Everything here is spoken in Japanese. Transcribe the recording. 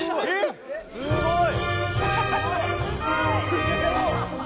・すごい！